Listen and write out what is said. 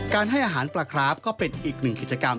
ให้อาหารปลาคราฟก็เป็นอีกหนึ่งกิจกรรม